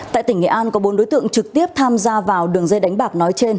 tại tỉnh nghệ an có bốn đối tượng trực tiếp tham gia vào đường dây đánh bạc nói trên